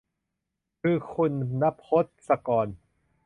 คือคุณณพจน์ศกร